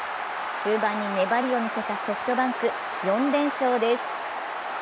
終盤に粘りを見せたソフトバンク４連勝です。